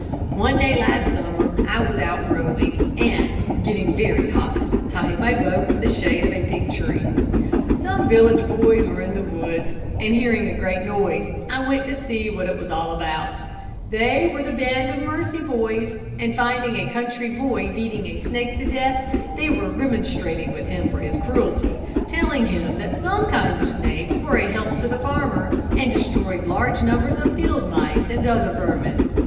"One day last summer I was out rowing, and, getting very hot, tied my boat in the shade of a big tree. Some village boys were in the woods, and, hearing a great noise, I went to see what it was all about They were Band of Mercy boys, and finding a country boy beating a snake to death, they were remonstrating with him for his cruelty, telling him that some kinds of snakes were a help to the farmer, and destroyed large numbers of field mice and other vermin.